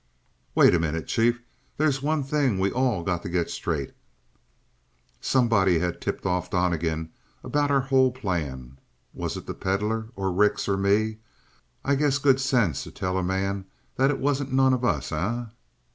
"Wait a minute, chief. There's one thing we all got to get straight. Somebody had tipped off Donnegan about our whole plan. Was it the Pedlar or Rix or me? I guess good sense'll tell a man that it wasn't none of us, eh?